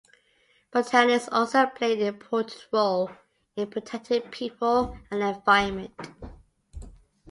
Botanists also play an important role in protecting people and the environment.